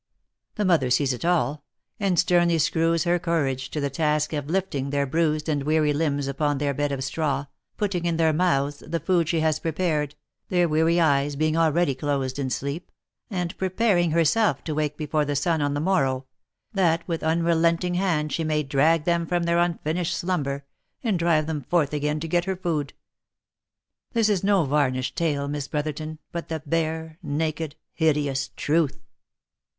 The mother sees it all, and sternly screws her courage to the task of lifting their bruised and weary limbs upon their bed of straw, putting into their mouths the food she has prepared, their weary eyes being already closed in sleep, and preparing herself to wake before the sun on the morrow, that with un relenting hand she may drag them from their unfinished slumber, and drive them forth again to get her food. This is no varnished tale, Miss Brotherton, but the bare, naked, hideous truth.